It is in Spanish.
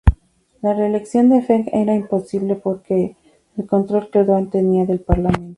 La reelección de Feng era imposible por el control que Duan tenía del Parlamento.